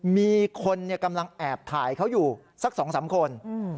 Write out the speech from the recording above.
มีคนกำลังแอบถ่ายเขาอยู่สัก๒๓คน